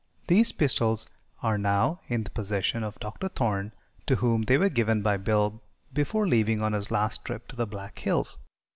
These pistols are now in the possession of Dr. Thorne, to whom they were given by Bill before leaving on his last trip to the Black Hills.